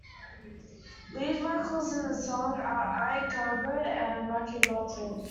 Lead vocals in the song are Ai Kago and Maki Goto.